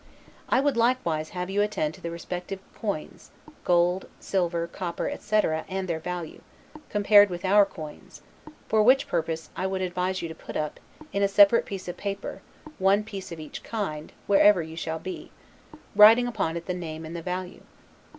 I would likewise have you attend to the respective coins, gold, silver, copper, etc., and their value, compared with our coin's; for which purpose I would advise you to put up, in a separate piece of paper, one piece of every kind, wherever you shall be, writing upon it the name and the value.